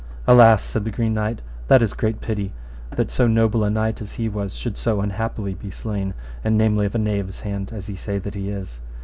Alas, said the Green Knight, that is great pity, that so noble a knight as he was should so unhappily be slain, and namely of a knave's hand, as ye say that he is.